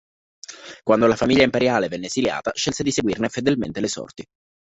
Quando la famiglia imperiale venne esiliata, scelse di seguirne fedelmente le sorti.